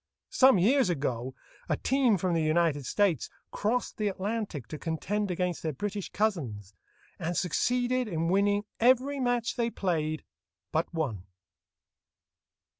Some years ago a team from the United States crossed the Atlantic to contend against their British cousins, and succeeded in winning every match they played but one.